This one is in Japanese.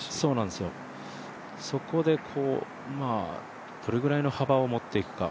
そこでどれぐらいの幅を持っていくか。